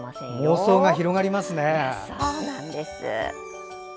妄想が広がりますね。